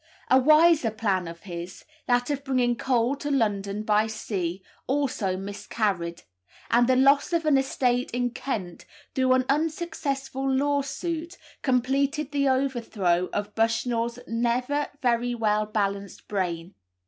A wiser plan of his, that of bringing coal to London by sea, also miscarried; and the loss of an estate in Kent, through an unsuccessful lawsuit, completed the overthrow of Bushnell's never very well balanced brain.